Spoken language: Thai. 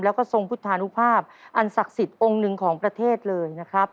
แล้วก็ทรงพุทธานุภาพอันศักดิ์สิทธิ์องค์หนึ่งของประเทศเลยนะครับ